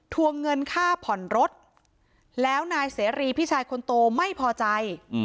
วงเงินค่าผ่อนรถแล้วนายเสรีพี่ชายคนโตไม่พอใจ